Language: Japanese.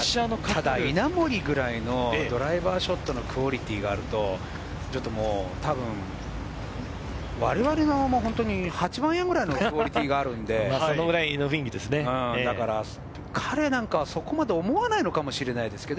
ただ稲森ぐらいのドライバーショットのクオリティーがあると我々の８番ヤードぐらいのクオリティーがあるので、彼はそこまで思わないのかもしれないですね。